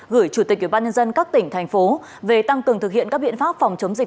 gửi chủ tịch ubnd các tỉnh thành phố về tăng cường thực hiện các biện pháp phòng chống dịch